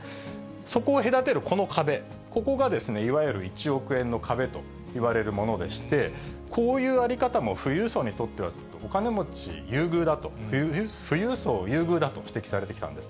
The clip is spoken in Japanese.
そこを隔てるこの壁、ここがですね、いわゆる１億円の壁といわれるものでして、こういう在り方も富裕層にとっては、お金持ち優遇だと、富裕層優遇だと指摘されてきたんです。